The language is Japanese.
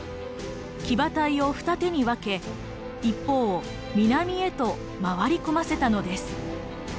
騎馬隊を二手に分け一方を南へと回り込ませたのです。